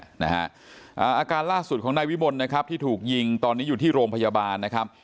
อาการล่าสุดของนายวิมลนะครับที่ถูกยิงตอนนี้อยู่ที่โรงพยาบาลนะครับ